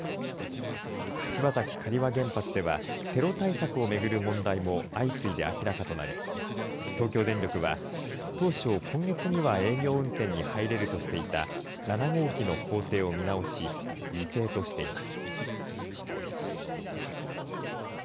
柏崎刈羽原発ではテロ対策をめぐる問題も相次いで明らかとなり東京電力は当初、今月には営業運転に入れるとしていた７号機の工程を見直し未定としています。